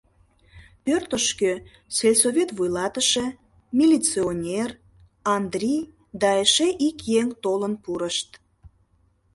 Пӧртышкӧ сельсовет вуйлатыше, милиционер, Андрий да эше ик еҥ толын пурышт...